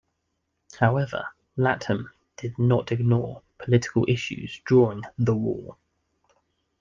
However, Latham did not ignore political issues during the war.